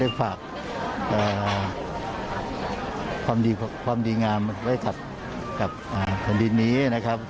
ได้ฝากความดีงามไว้ขัดกับคลินนี้นะครับ